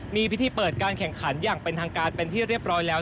มีพิธีเปิดการแข่งขันอย่างเป็นทางการเป็นที่เรียบร้อยแล้ว